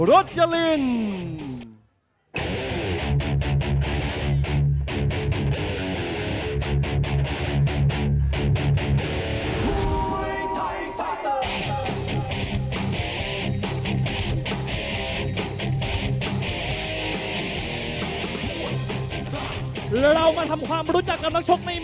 ๓คู่ที่ผ่านมานั้นการันตีถึงความสนุกดูดเดือดที่แฟนมวยนั้นสัมผัสได้ครับ